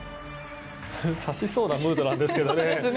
指しそうなムードなんですけどね。